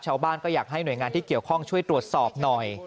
ชาวบ้านก็อยากให้หน่วยงานที่เกี่ยวข้องช่วยตรวจสอบหน่อย